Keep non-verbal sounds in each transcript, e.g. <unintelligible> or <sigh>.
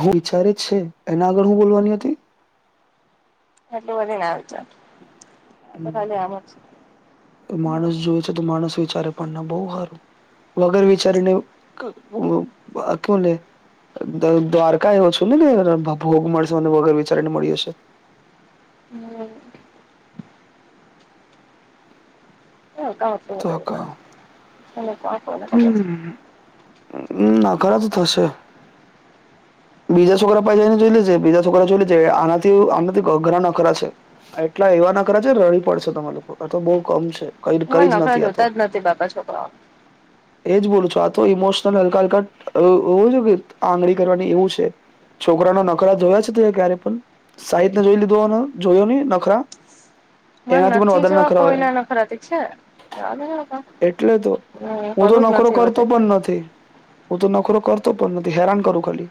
હું વિચારે જ છે. એના આગળ હું. બોલવાની હતી. એટલું વધીના વીચાર હ માણસ જોવે છે. તો માણસ વિચારે પણ ના બહુ સારું વગર વિચારીને કેવ <unintelligible> લ દ્વારકા એવ છું. ને ભોગ મળશે મને વગર વિચારી ને મળી હશે. હમ્મ. તો <unintelligible> હમ ના ખરા તો થશે. બીજા છોકરા પાને જોઈ લેજે બીજા છોકરા જોઈ લેજે આનાથી આનાથી ઘરા નખરા છે. એટલા સેવા ના કરે છે. રડી પડશે તમામે લોકો અ તો બહુ કમ છે. કઈ હ કઈ જ નફા નથી આ તો જોતા જ નથી બાપા છોકરાઓ. એજ બોલું છો આ તો ઈમોશનલ હલકા હલકા હોવું જો કે આંગળી કરવાની એવું છે. છોકરાના નખરા જોયા છે તે ક્યારે પણ સાહિતને જોઈ લીધું જોયો નહી નખરા. <inaudible> મ પણ નથી વધારે જોવા નખરા કોઈ હોય ના ન ખરાતી છે. એટલે તો હું તો કરવું જ નખરો નથી બધે કરતો પણ નથી. હું તો નખોરો કરતો પણ નથી હેરાન કરું ખાલી.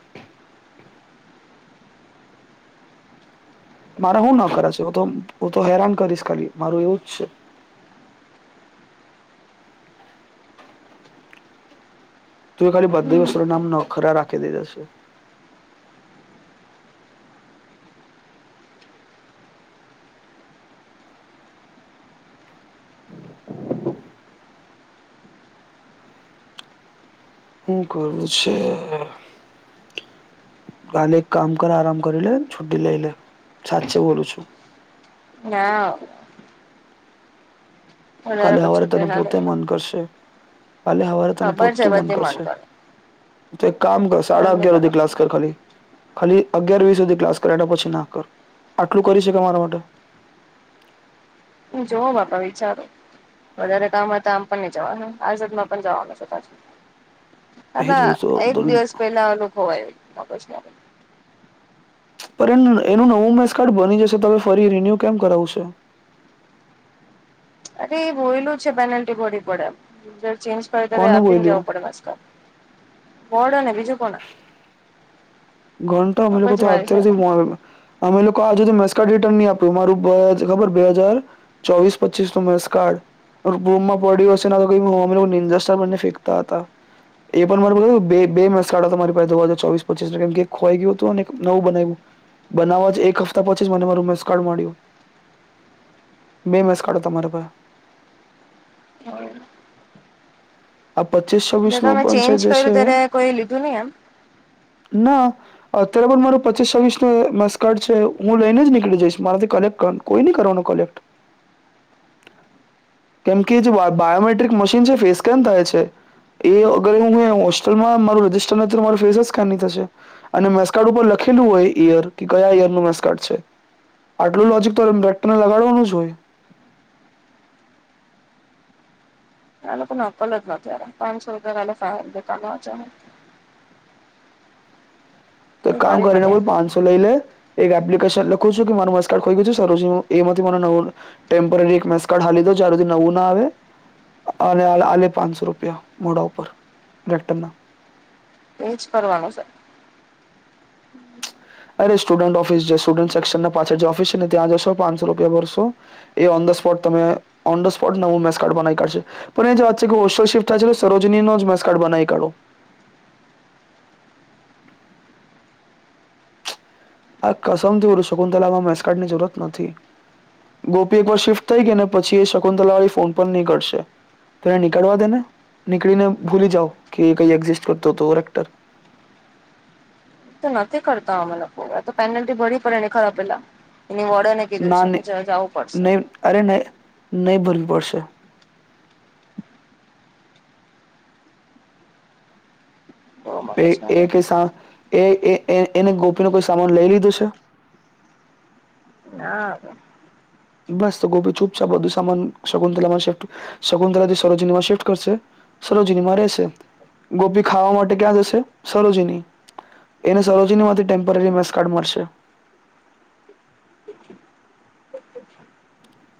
મારા શું ના ખરા છે. હું તો હું તો હેરાન કરીશ ખાલી મારું એવું જ છે. <inaudible> તું એ ખાલી બધા વસ્તુના નામ ન ખરા રાખી દીધાશે. હું કરું છે. કાલે એક કામ કર આરામ કરી લ છુટી લઈલે. સાછે બોલું છું. ના. વધારે કાલે પછી હવારે તને છુટી ના પોતે લેવાય મન કરશે. કાલે હવારે તને ખબર છે પોહતું મન બધી કરશે કરે તો એક કામ કર પણ સાડા એમ ની અગિયાર કરે સુધી ક્લાસ કર ખાલી. ખાલી અગિયાર વી સુધી ક્લાસ કરે પછી ના કર આટલું કરી શકે મારા માટે <unintelligible> હુ જોવ બાપા વિચારો વધારે કામ હતા આમ પણ નહી જવા આસદમાં પણ જવાનું છ એ જ હારા બોલશો એક દિવસ પહેલા અનુભવયગ પર એનું નવું મેસ કાર્ડ બની જશે ત ફરી રિન્યુ કેમ કરાવું છે <unintelligible> અરે એ હોયલું છે પેનલ્ટી ભડી પડે ચેન્જ કરી દ કોને આપીને બોલ્યું જવું પડે વોડો ને બીજું કોણ ઘાંટો અમે લોકો મગજ તો મારી સાથે અત્યારધિક અમે લોકો આજે મેસ કાર્ડ રિટર્ન નહી આપ્યું મારું ખબર બે હાજાર ચોવીસ પચીસ નું મેસ કાર્ડ બૂમમાં પડી વશે ના તો ક લોકો નિર બને ફેંકતા હતા એ પણ મારો પાસે બે મેસ કાઢાતા હતા મારી પાસે હજાર ચોવીસ પચીસો કેમ કે ખોવાઈ ગયું હતું અને નવું બનાવ્યું બનાવવા જ એક હપ્તા પછી જ મને મારું મેસ કાર્ડ મળ્યું બે મેસ કાઢો તમારા પર હા આ પચીસ છ્વીસ નુંપન છે ચેન્જ જે કર્યું છે ત્યારે કોઈ લીધું નહી એમ ના અત્યારે પણ માર પચીસ છવીસ નો મેસકાર્ડ છે હું લઈને જ નીકળી જઈશ મારાથી કલેક્ટ કોઈ ન કરવાનું કોલેક્ટ કેમ કે જે બાયોમેટ્રિક મશીન છે ફેસ સ્કેન થાય છે એ અગ હું હોસ્ટલમાં મા રજીસ્ટર નથી મા ફેસ સ્કેન થશે અને મેસકાર્ડ ઉપર થશે છેલુ હોય ઈયર કયા ઇયર નું મેસકાર્ડ છે આટલું લોજીક તો મ્પેક્ટરને લગાડવાનું જ હોય લોકો નકલ જ નત્યારે પાંચસો વરલે દતાચ તો એક કામ કરી પણ કરીને નહી બોલ આપે. પાંચસો લઈ લે એક એપ્લિકેશન લખું છું કે મારું મેસ્કાર્ડ ખોઈ ગયું સર મને એમાંથી નવું ટેમ્પોરરી મેસકાર્ડ આપી દો જ્યાર હુંદી નવું ના આવે અને આલે પાંચસો રૂપિયા મોડા ઉપર લેટર ના એજ કરવાની છે અ સ્ટુડન્ટ ઓફિસ જે સ્ટુડન્ટ સેક્શન પાછળ જે ઓફિ છેને ત્યાં જશો પાંચસો રૂપિયા ભરસો એ સ્પોટ તમે ઓન ધ સ્પોટને હું મેસ કાર્ડ બનાવી કાઢશે પણ એ જે વાત છે કે ઓો શિફ્ટ થાય છેલે સરોજનીનો મેસકાર્ડ બનાવી કાઢો આ કસમથી ઓરુ શકુંતલામાં મસકાટ ની જરૂરત નથી. ગોપી એક વાર શિફ્ટ થઈ ગઈ ને પછી એ શકુંંતલા વાળી ફોન પણ નીકળશે. તો એને નીકળવા દે ને નીકળીને ભૂલી જાાવ કે કઈ એક્ઝિસ્ટ કરતો હતો. ક્ટર <unintelligible> <unintelligible> તો નથી કરતા અમે લોકો તો પેનલ્ટી ભરી પડે ને ખરાબ પેલા એની વડને કીધું ના છે ને જવું પડશે. નહી ભરવી પડશે. બહુ એ મગજ એ મારી ક એ એ એ એને ગોપી ન કોઈ સામાન લઈ લીધો છે. હા <inaudible> બસ તો ગોપી ચુપચાપ બધું સામાન શગુતલામાં શિફ્ટ શકુંતલા સરોજનીમાં શિફ્ટ કરશે. સરોજનીમાં રહેશે ગોપી ખાવા માટે ક્યાં જશે સરોજની એને સરોજીની માંથી ટેમ્પરરી મેસ કાર્ડ મળશે.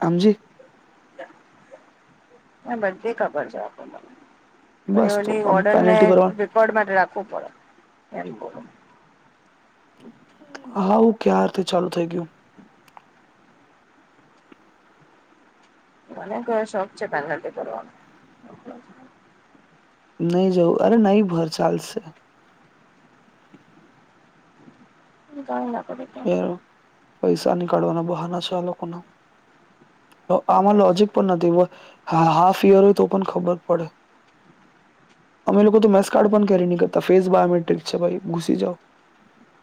હમજી. બધે ખબર છે આપ મને બસ ફરી તો બધી આમ ઓર્ડર ને પેનલ્ટી ભરવાનું રેકોર્ડ માટે રાખવું પડે એમ હા હું ક્યારથી ચાલુ થઈ ગયું. અક શખ છે પંગલા કરનું નહી જવું અરે નહી ભર ચાલશે ગયંદગરીકે <inaudible> યાર પૈસા ની કઢવાના બહાના છે. આ લોકોના આમાં બરાબર છે. લોજિક પણ નથી હા હાફ ઇયર હોય તો પણ ખબર પડે અમે લોકો તો મેસ કાર્ડ પણ કેરી નહી કરતા ફેસ બાયોમેટ્રિક છે ભાઈ ઘુસી જાઓ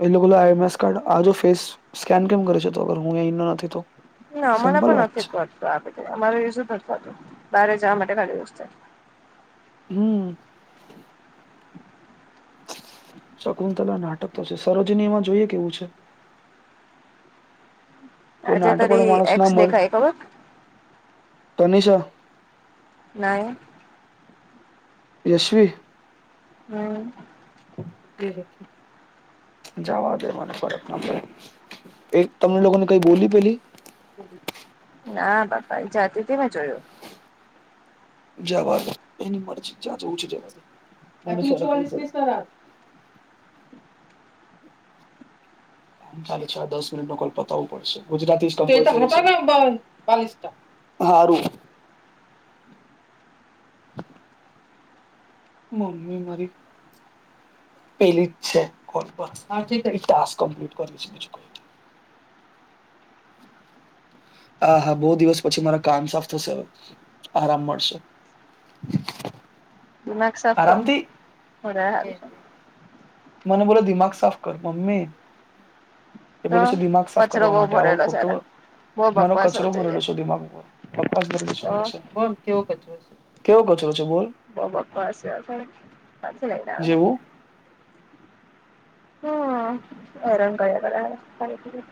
એ લોકો આ મેસ કાર્ડ આજ ફેસ સ્કેન કેમ કરે છે હું નથી તો ના અમારે સિમ્પલ પણ વાત નથી છે કરતું આપું અમાર ઝું નથી થતું. બારે જવા માટે ખાલી દિવસ હમ શકુંંતલા નાટક તો છે સરોજની એમાં જોઈએ કેવું છે. કોઈ આજે નાટક વાળો તારી માણસ ના એક્સ મળે દેખાય ખબર તનીષા ના યશવી હમ જવા દે મને ફરક ના પડે એક તમને લોકોને કઈ બોલી પેલી હમ <inaudible> ના પાપા એ જાતી હતી મેં જોયું જવા દે એની મરજી જ્યાં જવું છે જવા દે. <inaudible> કામચાલી છ દસ મિનિટ નુ કોલ પતાવું પડશે ગુજરાતી <unintelligible> હારું મમ્મી મારી પેલી છે કોલ પર ટાસ્ક કમ્પ્લીટ કરું છું બીજું કંઈ નહિ <unintelligible> હા હા બહુ દિવસ પછી મારા કાન સાફ થશે હવે આરામ મળશે <inaudible> નખ સાફ કર આરામથી વધારે હારું છે. મને બોલો દિમાગ સાફ કર મમ્મી એ તો બોલે છે દિમાગ સાફ કચરો કરવા બહુ માટે આવો ભરેલો છે ખોટો એના બહુ મારો બકવાસ કચરો એવું થઈ ભરેલો જાય છે દિમાગ ઉપર બકવાસ ભરેલો યાર. તો છે. બોલો કેવો કચરો કેવો કચરો છે બોલ બહુ બકવાસ છે આ પણ કાથી લઈને આવે જેવું હમ હેરાન કર્યા કરે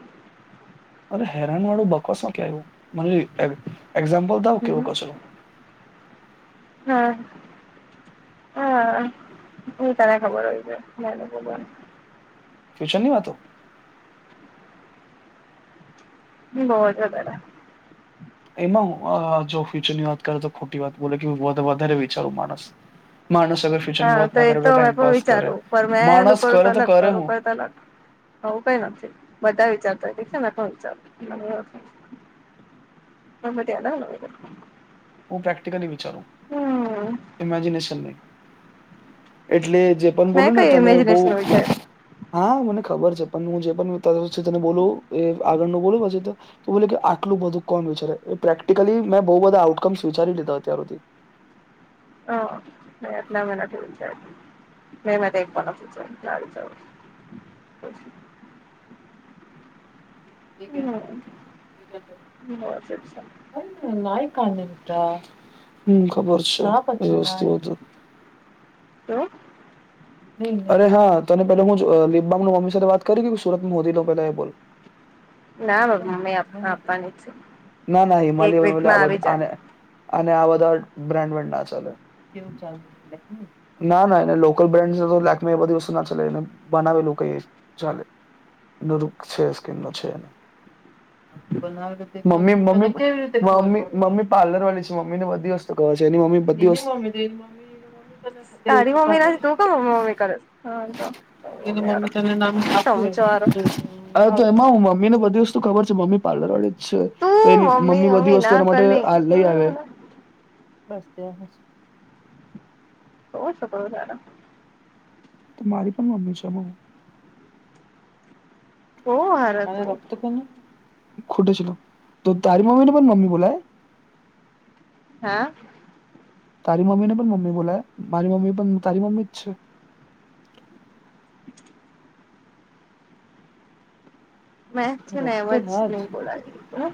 અરે હેરાન વાળું બકવાસ માં ક્યાં આવું મને એક્ઝામ્પલ થાઓ કેવો હમ કચરો હા હા, હુ તને ખબર હોય છેને. ફ્યુચર નહી, વાતો હ, હોદ, બરા એમા, જો ફ્યુચરની વાત કરે, તો ખોટી વાત બોલે કે વધારે વિચારું માણસ માણસ અગર ફ્યુચરની હા, વાત તો ના કરે એતો મેં પણ ટાઈમપાસ કરે વિચારવું પણ મેં એંધુ માણસ કરુ, તો કરે અલગ કરે તોરું ક હું તો અલગ આહુ કઈ નથી. બધા વિચારતા ઠીક છેને, કો વિચારતું <unintelligible> હુ, પ્રેક્ટિકલી વિચારું ઇમેજિનેશન નહી. એટલે જે, પણ મેં બોલ ને કઈ તને બહુ, ઇમેજિનેશન વિચાર્યું હા મને ખબર છે, પણ હુ જે પણને <unintelligible> બોલું એ આગળ નુ બોલુ પછી, તો બોલે કે આટલુ બધુ કોણ વિચાર એ પ્રેક્ટિકલી મે, બહુ બ વધા આઉટ હકમ, સ્વીચારી લીધા ત્યાર, સુધથી હા એટલા, મહેનત થ જાય ન મે એક પણ <unintelligible> હમ બહુ અજીબ છે અરે ના હમ ખબર છે, આ વ વસ્તુ હતુ હ અરે હા, તને પેલા હુ, લીબા મમ્મી સાથે વાત કરી સુરત મોદી નો પેલા એ બોલ ના હ બાબા મમ્મી આપવાની છે ના, ના હિમાલ એક વીકમાં આવી જાય અને આ બધા બ્રાન્ડ ના, ચાલે ના ના એ લોકલ બ્રાન્ડ લે એ બધી વસ્તુ ના ચાને બનાવેલું કઈ, ચાલે એ રુખ છે, કેમનો છે, એને મમ્મીમ્મી કેવી રતે મમી, મમ્મી પ્લર વાળી છે, મમ્મીને બધી વસ્તુ કવા છે, એની મમ્મી એવામી, દેવીની મમી એની મમી તને તારી દેવજી, ક મમ્મી નથી તું ક મમ્મી મમ્મી કરે હા તો એને મમ્મી, તને નામ મમ્મી ચમચો વારો આપીએ એમા મમ્મી ને બધી વસ્તુ ખબર છે, મમ્મી પાર્લરળી જ છે. તો તું એની મમ્મી બધી વસ્તુ ના એના માટે કરની લઈ, આવે બસદ, આ હ શો, શો બલાર તો મારી પણ મમ્મી છે, મહ ઓ હાર, તો ખૂટે છ, તો ત મમી લ પણ મમ્મી બલ હા તારી મમ્મી ને પણ મમ્મી બોલાય, મારી મમ્મી પણ તારી મમ્મી જ છે. મેં છેને, એમ જ નહી, બોલાતી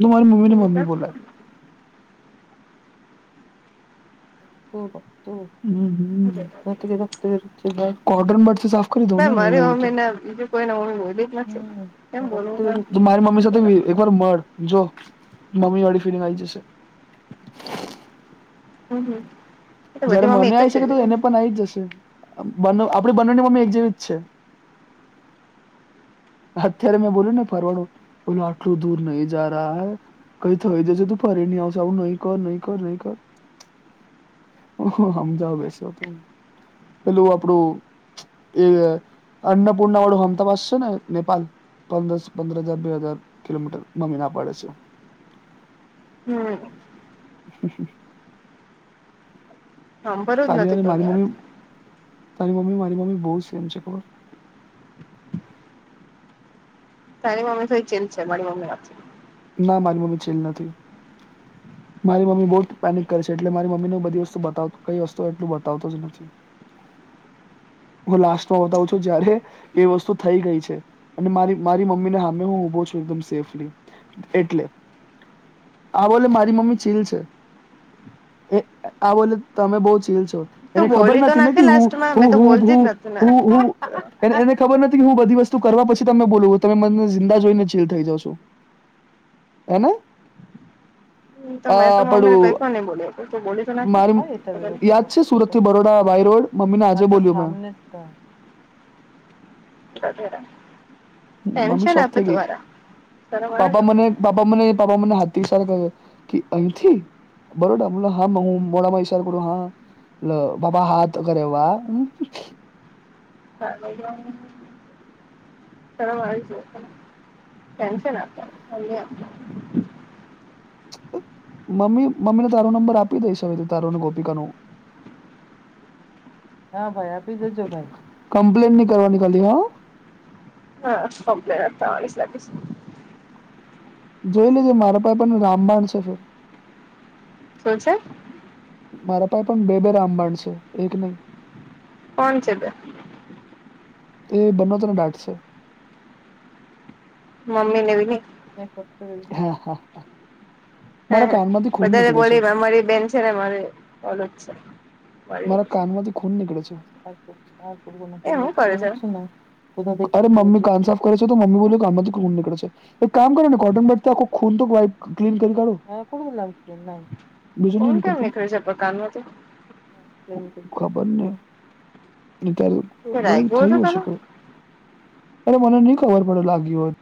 તુરી મમ્મી, મમ્મી બોલા તો હ હ, મેકે રખ કોડન બશે સાફ દ ના ને એવું મારી હોય, તો મમ્મી ને બીજું કોઈને મમ્મી બોલી જ નથી કેમ બોલવું મારી મમ્મી સાથે પણ એક વાર મળ જો મમ્મી, વાળડી ફિલિંગ આવી જશે હમ્મ, હમ તો જયારે, બધી મમ્મી મને એક જ આવી છે શકે તો એને પણ આવીઈ જ જશે બ આપણી બનેની મમ્મી, એક જેવી જ છે. અત્યારે મે બોલ્યુ ને ફરવાડું બોલો આટલું દૂર નહી, જ રહા હ કઈ થઈ, જશે ત ફરી નહી, આવશે આવું નહી કર નહી, કર નહી કર ઓ સમજઓ, બેશે તો પેલુ આપડુ એ અન્નપૂર્ણા, વાળુ હમતાવાાસ છેને નેપાલ પદરસ પદર હજાર, બે હજાર કિલોમીટર મમીના પાડે છે. હમ. <inaudible> હમ હાભરું જ તારી નથી અને કોઈ મારી મમ્મી આજે. તારી મમ્મી મારી મમ્મી બહુ છે સેમ છે ખબર તારી મમ્મી થઈ ચીલ છે મારી મમ્મી ના મારી મમ્મી ચીલ નથી મારી મમ્મી બહુ પેનીક કરે છે એટલે મારી મમ્મીને બધી વસ્તુ બતાવ કઈ વસ્તુ એટલું બવતો જ નથી. <inaudible> હું લાસ્ટમાં બતાવું છું જયારે એ વસ્તુ થઈ ગઈ છે અને મારી મારી મમ્મી ને સામે હું ઉભો છું એકદમ સેફલી એટલે આ બોલ મારી મમ્મી ચીલ છે. એ આ બોલે તમે બહુ ચીલ છો. એને તું ખબર બોલી તો નથી ને હું લાસ્ટમાં હુ મેં તો હુ બોલતી હુ જ નથી ને હુ હુ એને ખબર નથી હું બધી વસ્તુ કરવા પછી તને બોલું તમે મને જિંદા જોઈ ને ચીલ થઈ જાવોશો. એને? હમ તો મેં તો મમ્મીને કઈ પણ નઈ બોલ્યો. મારી યાદ છે સુરત થી બરોડા બાય રોડ મમ્મી આજે બોલ્યું <unintelligible> મમ્મી ટેન્શન શોખ આપે થઈ ગઈ તુંમારા શરમ આવે છે. પાપા મને પાપા મને પાપા મને હાથી <unintelligible> અહીંથી બરોડા હા હું મોડામાં ઇશારો કરું હા બાબા હાથ કરેએ વાહ <unintelligible> <inaudible> <unintelligible> મમ્મી મમ્મીને તારો નંબર આપી દઈશ હવે તારો અને ગોપિકાનું હા ભાઈ આપી દેજો ભાઈ કમ્પ્લેન નહી કરવાની ખાલી હ હા કમ્પ્લેન થવાની લાગે છે. જોઈ લીધું મારો પાઈ પણ રામબાણ છે ફીર શું છે. મારા પાસે પણ બે બે રામબાણ છે એક નહી કોણ છે બે તે બને તને ડાટસે મમ્મીને વિ હા હા હા હા હ વધારે બોલી અમારી બેન છે ને મારી ઓલી જ છે મારી મારા કાન માંથી ખૂન નીકળે છે. એ હું કરે છે અરે મમ્મી કાન સાફ કરે તો મમ્મી બોલી કાનમાંથી ખૂન નીકળે છે એક કામ કરો ને કોટન બટથી આખો ખૂન ક્લીન કરી કાઢું ખૂન કેમ નિકડે છે કાનમાંથી ખબર નહી <unintelligible> રાયગો હતો થયું હશે તને કઈ અરે મને નહી ખબર પડે લાગી હોય